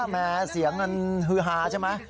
แม้เสียงมันฮือฮาใช่ไหม